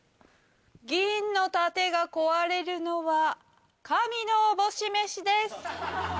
銀の盾が壊れるのは神のおぼしめしです。